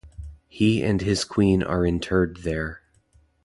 He and his queen are interred there.